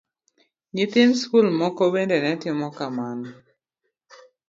Nyithind skul moko bende ne timo kamano.